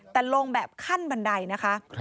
แต่ลงแบบขั้นบันไดนะคะ